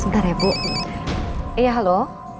sebentar ya bu iya halo